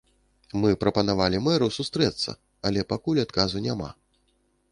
Мы прапанавалі мэру сустрэцца, але пакуль адказу няма.